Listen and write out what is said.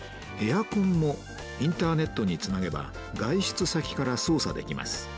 エアコンもインターネットにつなげば外出先から操作できます。